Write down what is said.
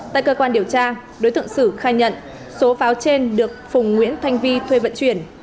tại cơ quan điều tra đối tượng sử khai nhận số pháo trên được phùng nguyễn thanh vi thuê vận chuyển